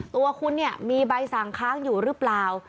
ตัวคุณเนี่ยมีใบสั่งค้างอยู่หรือเปล่า